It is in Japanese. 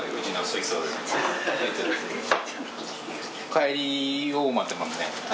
帰りを待ってますね。